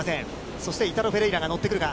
そしてイタロ・フェレイラが乗ってくるか。